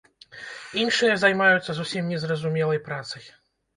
Іншыя займаюцца зусім незразумелай працай.